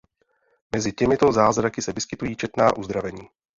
Mezi těmito zázraky se vyskytují četná uzdravení.